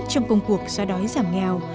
trong công cuộc do đói giảm nghèo